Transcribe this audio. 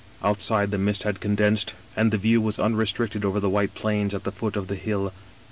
Outside the mist had condensed, and the view was^ unrestricted over the white plains at the foot of the hill.